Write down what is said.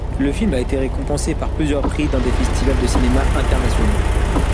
Le film a été récompensé par plusieurs prix dans des festivals de cinéma internationaux.